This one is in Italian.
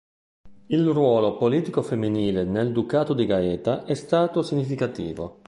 Il ruolo politico femminile nel ducato di Gaeta è stato significativo.